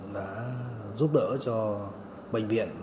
đã giúp đỡ cho bệnh viện